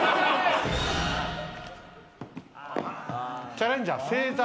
チャレンジャー「星座」